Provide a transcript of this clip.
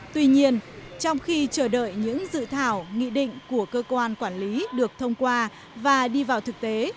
tuy nhiên trong khi chờ đợi những dự thảo nghị định của cơ quan quản lý được thông qua và đi vào thực tế